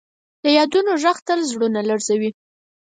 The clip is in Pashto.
د یادونو ږغ تل زړونه لړزوي.